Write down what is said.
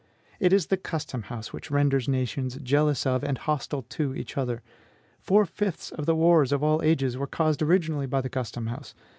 It is the custom house which renders nations jealous of, and hostile to, each other; four fifths of the wars of all ages were caused originally by the custom house.